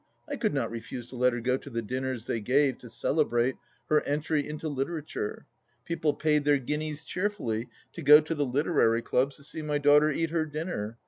I could not refuse to let her go to the dinners they gave to celebrate her " entry into Literature." People paid their guineas cheerfully to go to literary clubs to see my daughter eat her dinner.